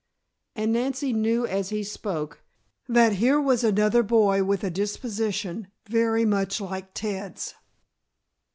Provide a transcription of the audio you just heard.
And Nancy knew as he spoke, that here was another boy with a disposition very much like Ted's.